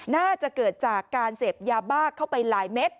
น่าจะเกิดจากการเสพยาบ้าเข้าไปหลายเม็ด